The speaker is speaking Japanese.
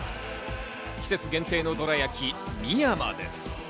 季節限定のどら焼き、みやまです。